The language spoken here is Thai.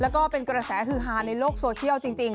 แล้วก็เป็นกระแสฮือฮาในโลกโซเชียลจริง